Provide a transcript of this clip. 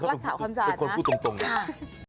คุณฟิศาสตร์ก็ตอบแบบนี้